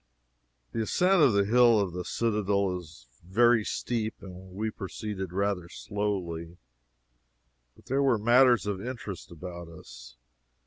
The ascent of the hill of the citadel is very steep, and we proceeded rather slowly. But there were matters of interest about us.